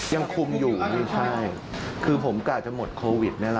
ยังคุมอยู่นี่ใช่คือผมกล้าจะหมดโควิดเนี้ยแหละ